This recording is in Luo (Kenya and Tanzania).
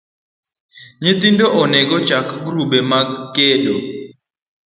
Nyithindo onego ochak grube mag kedo